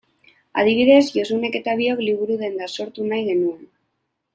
Adibidez, Josunek eta biok liburu-denda sortu nahi genuen.